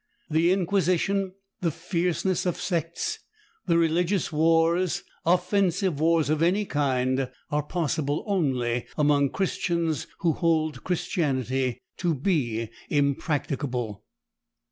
The Inquisition, the fierceness of sects, the religious wars, offensive wars of any kind, are possible only among Christians who hold Christianity to be impracticable.